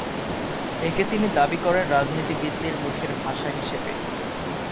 একে তিনি দাবি করেন রাজনীতিবিদদের মুখের ভাষা হিসেবে।